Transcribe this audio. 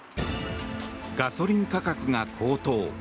ガソリン価格が高騰。